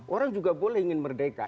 orang juga boleh ingin merdeka